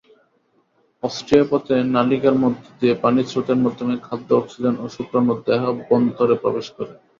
অস্টিয়াপথে নালিকার মধ্য দিয়ে পানি স্রোতের মাধ্যমে খাদ্য, অক্সিজেন ও শুক্রাণু দেহভ্যন্তরে প্রবেশ করে।